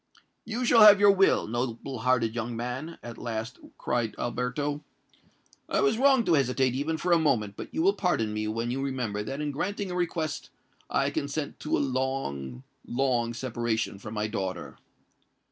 "You shall have your will, noble hearted young man!" at length cried Alberto: "I was wrong to hesitate even for a moment; but you will pardon me when you remember that in granting your request, I consent to a long—long separation from my daughter."